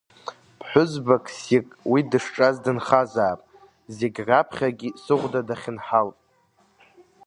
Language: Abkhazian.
Ԥҳәызба ссирк, уи дышҿаз дынхазаап, зегь раԥхьагьы сыхәда дахьынҳалт.